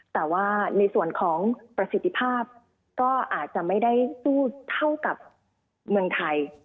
แต่ว่าในส่วนของประสิทธิภาพก็อาจจะไม่ได้สู้เท่ากับเมืองไทย